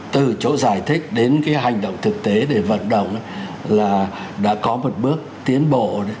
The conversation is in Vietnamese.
từ chỗ giải thích đến cái hành động thực tế để vận động là đã có một bước tiến bộ